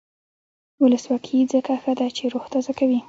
ولسواکي ځکه ښه ده چې روح تازه کوي.